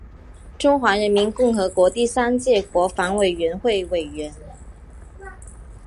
中华人民共和国第三届国防委员会委员。